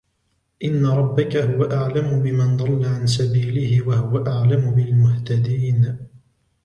إن ربك هو أعلم بمن ضل عن سبيله وهو أعلم بالمهتدين